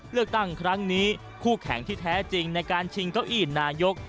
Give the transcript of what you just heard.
เลือกตั้งครั้งนี้คู่แข่งที่แท้จริงในการชิงเก้าอี้นายก